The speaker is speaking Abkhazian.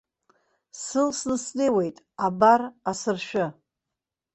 Сылсны снеиуеит, абар, асыршәы.